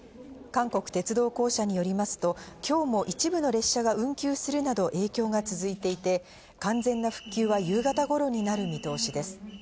韓国鉄道公社によりますと、今日も一部の列車が運休するなど影響が続いていて、完全な復旧は夕方頃になる見通しです。